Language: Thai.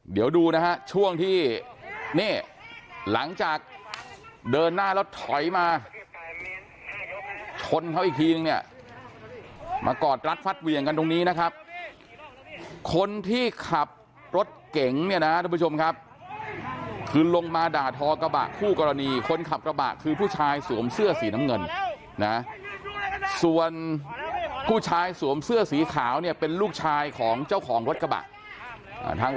เดี๋ยวดูนะฮะช่วงที่นี่หลังจากเดินหน้าแล้วถอยมาชนเขาอีกทีนึงเนี่ยมากอดรัดฟัดเหวี่ยงกันตรงนี้นะครับคนที่ขับรถเก๋งเนี่ยนะทุกผู้ชมครับคือลงมาด่าทอกระบะคู่กรณีคนขับกระบะคือผู้ชายสวมเสื้อสีน้ำเงินนะส่วนผู้ชายสวมเสื้อสีขาวเนี่ยเป็นลูกชายของเจ้าของรถกระบะทาง